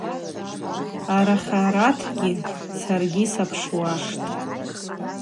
Арахьаратгьи – Саргьи сапшуаштӏ.